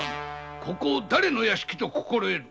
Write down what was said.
ここをだれの屋敷と心得る！